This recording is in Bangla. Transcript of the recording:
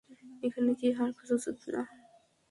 এখানে কি হাড় খোঁজা উচিত না?